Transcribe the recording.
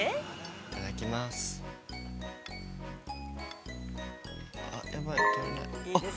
◆いただきます。